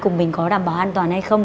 của mình có đảm bảo an toàn hay không